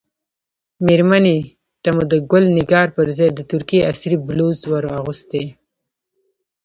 مېرمنې ته مو د ګل نګار پر ځای د ترکیې عصري بلوز ور اغوستی.